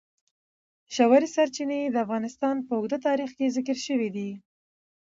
ژورې سرچینې د افغانستان په اوږده تاریخ کې ذکر شوی دی.